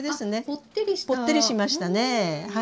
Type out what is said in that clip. ぽってりしましたねはい。